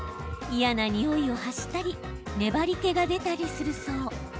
嫌なにおいを発したり粘りけが出たりするそう。